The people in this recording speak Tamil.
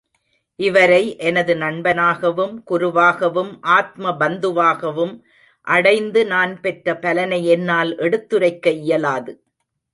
இவரை எனது நண்பனாகவும் குருவாகவும் ஆத்ம பந்துவாகவும் அடைந்து நான் பெற்ற பலனை என்னால் எடுத்துரைக்க இயலாது.